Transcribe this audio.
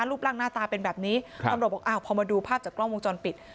รูปร่างหน้าตาเป็นแบบนี้ตำรวจบอกอ้าวพอมาดูภาพจากกล้องวงจรปิด